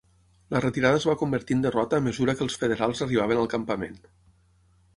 La retirada es va convertir en derrota a mesura que els federals arribaven al campament.